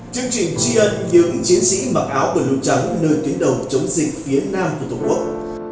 chương trình tri ân những chiến sĩ mặc áo bình luận trắng nơi tuyến đầu chống dịch phía nam của tổ quốc